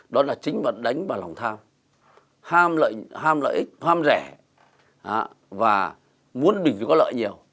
đó là chính mặt đánh vào lòng tham ham lợi ích ham rẻ và muốn đỉnh vì có lợi nhiều